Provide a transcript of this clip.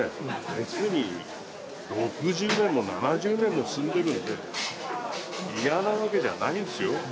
別に６０年も７０年も住んでるんでいらないわけじゃないんですよ